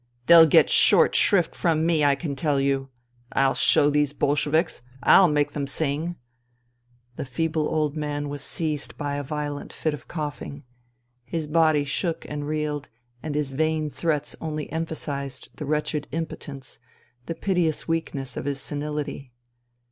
They'll get short shrift from me, I can tell you ! I'll show these Bolsheviks I I'll make them sing !..." The feeble old man was seized by a violent fit of coughing. His body shook and reeled, and his vain threats only empha sized the wretched impotence, the piteous weakness of his seniUty.